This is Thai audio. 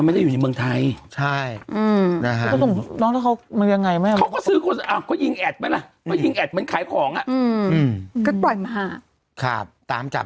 ไม่ได้อยู่ในเมืองไทยช่ายน้าที่แล้วอ้อมายังไงไม่ข้าวสื่อข้อต่างจับ